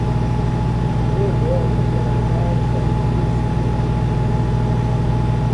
Eu moro naquela casa de esquina.